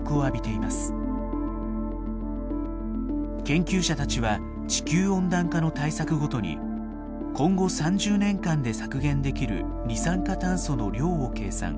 研究者たちは地球温暖化の対策ごとに今後３０年間で削減できる二酸化炭素の量を計算。